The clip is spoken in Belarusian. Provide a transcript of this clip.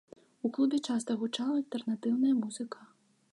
У клубе часта гучала альтэрнатыўная музыка.